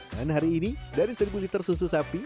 dan hari ini dari seribu liter susu sapi